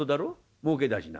もうけ出しな」。